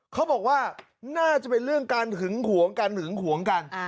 เขาบอกว่าน่าจะเป็นเรื่องการหึงหวงกันหึงหวงกัน